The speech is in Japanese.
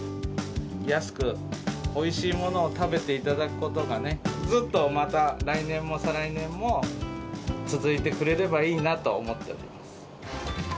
安くおいしいものを食べていただくことがね、ずっとまた来年も再来年も続いてくれればいいなと思っております。